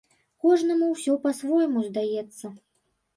Кожнаму ўсё па-свойму здаецца.